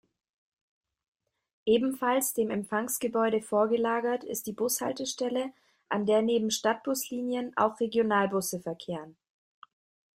Ebenfalls dem Empfangsgebäude vorgelagert ist die Bushaltestelle, an der neben Stadtbuslinien auch Regionalbusse verkehren.